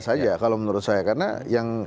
saja kalau menurut saya karena yang